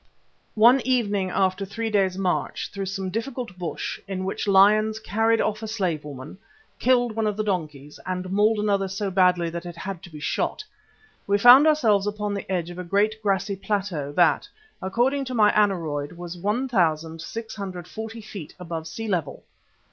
One evening, after three days' march through some difficult bush in which lions carried off a slave woman, killed one of the donkeys and mauled another so badly that it had to be shot, we found ourselves upon the edge of a great grassy plateau that, according to my aneroid, was 1,640 feet above sea level.